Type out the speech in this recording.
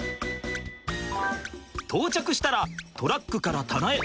到着したらトラックから棚へ。